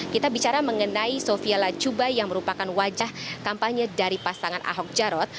kita bicara mengenai sofia lacuba yang merupakan wajah kampanye dari pasangan ahok jarot